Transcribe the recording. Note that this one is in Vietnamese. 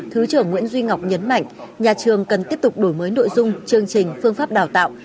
thứ trưởng nguyễn duy ngọc nhấn mạnh nhà trường cần tiếp tục đổi mới nội dung chương trình phương pháp đào tạo